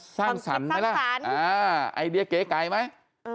สร้างสรรค์ไหมล่ะไอเดียเก๋ไก่ไหม